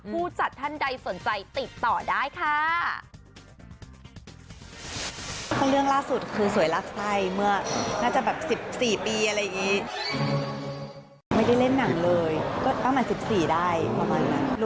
ผู้จัดท่านใดสนใจติดต่อได้ค่ะ